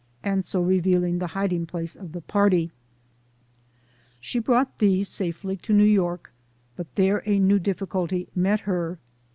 and so revealing the hiding place of the party. SOME >C'KNES TX THE She brought these safely to New York, but there a new difficulty met her.